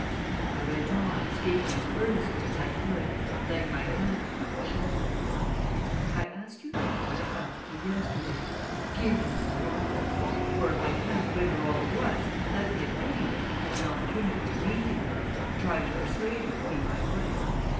I went on, speaking as earnestly as I could and laying my hand upon his shoulder. "I ask you now what I asked you yesterday: Give me your daughter! Or if I can't win her all at once let me at any rate have the opportunity of meeting her and trying to persuade her to be my wife.